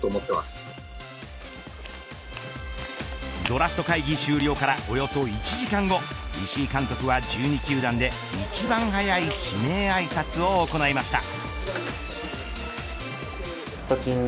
ドラフト会議終了からおよそ１時間後石井監督は１２球団で一番早い指名あいさつを行いました。